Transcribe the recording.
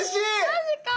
マジか！